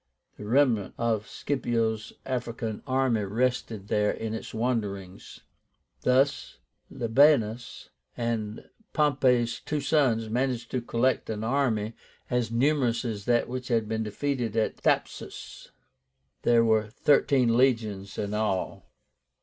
The remnant of Scipio's African army rested there in its wanderings. Thus Labiénus and Pompey's two sons managed to collect an army as numerous as that which had been defeated at Thapsus. There were thirteen legions in all.